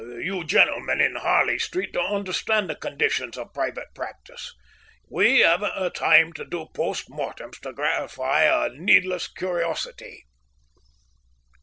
You gentlemen in Harley Street don't understand the conditions of private practice. We haven't the time to do post mortems to gratify a needless curiosity."